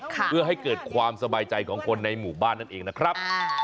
เพื่อให้เกิดความสบายใจของคนในหมู่บ้านนั่นเองนะครับ